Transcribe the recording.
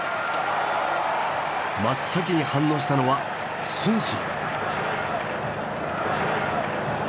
真っ先に反応したのは承信。